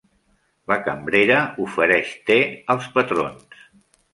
La cambrera ofereix te als patrons.